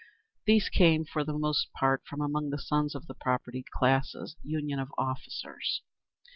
These came for the most part from among the sons of the propertied classes. _Union of Officers.